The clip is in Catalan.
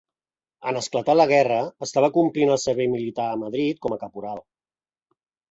En esclatar la guerra estava complint el servei militar a Madrid com a caporal.